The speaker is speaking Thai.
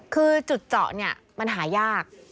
คือจุดเจาะเนี่ยมันหายาก